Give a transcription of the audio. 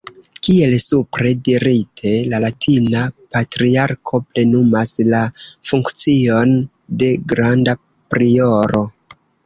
Kiel supre dirite, la latina Patriarko plenumas la funkcion de Granda Prioro.